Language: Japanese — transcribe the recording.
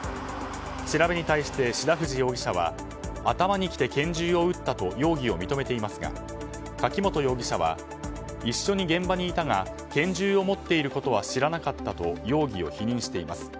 調べに対し、志田藤容疑者は頭にきて拳銃を撃ったと容疑を認めていますが柿本容疑者は一緒に現場にいたが、拳銃を持っていることは知らなかったと容疑を否認しています。